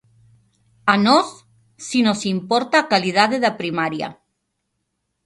A nós si nos importa a calidade da primaria.